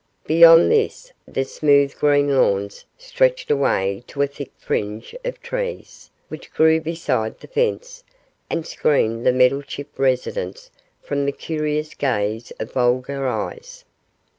Beyond this the smooth green lawns stretched away to a thick fringe of trees, which grew beside the fence and screened the Meddlechip residence from the curious gaze of vulgar eyes.